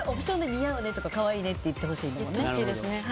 似合うねとか可愛いねとか言ってほしいんだよね。